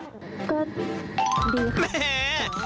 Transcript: ก็ดีครับ